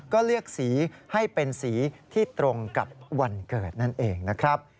ก็เลือกสีให้เป็นสีที่ตรงกับวันเกิดนั่นเองนะครับ